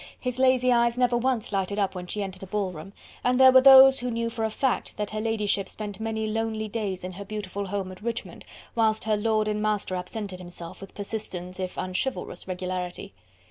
His lazy eyes never once lighted up when she entered a ball room, and there were those who knew for a fact that her ladyship spent many lonely days in her beautiful home at Richmond whilst her lord and master absented himself with persistent if unchivalrous regularity.